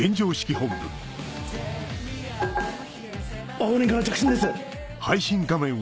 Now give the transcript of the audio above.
青鬼から着信です！